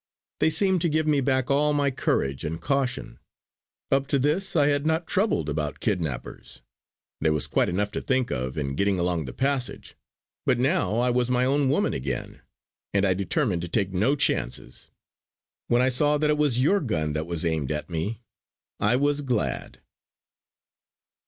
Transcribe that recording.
They seemed to give me back all my courage and caution. Up to this I had not troubled about kidnappers; there was quite enough to think of in getting along the passage. But now I was my own woman again, and I determined to take no chances. When I saw it was your gun that was aimed at me I was glad!"